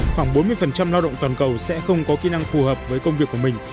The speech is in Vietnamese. khoảng bốn mươi lao động toàn cầu sẽ không có kỹ năng phù hợp với công việc của mình